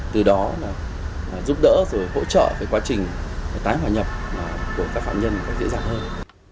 từ đó giúp đỡ và hỗ trợ quá trình tái hòa nhập của các phạm nhân dễ dàng hơn